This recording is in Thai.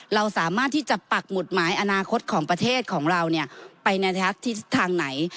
เราสามารถที่จะปักหมุดหมายอนาคตของประเทศของเราไปในทิศทางไหน